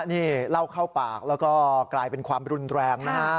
นี่เล่าเข้าปากแล้วก็กลายเป็นความรุนแรงนะฮะ